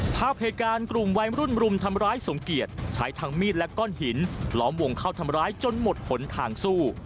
ภาพเหตุการณ์กลุ่มวัยรุ่นรุมทำร้ายสมเกียจใช้ทั้งมีดและก้อนหินล้อมวงเข้าทำร้ายจนหมดผลทางสู้